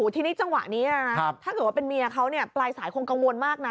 ทีนี้จังหวะนี้นะถ้าเกิดว่าเป็นเมียเขาปลายสายคงกังวลมากนะ